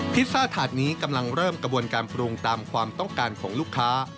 พิซซ่าถาดนี้กำลังเริ่มกระบวนการปรุงตามความต้องการของลูกค้า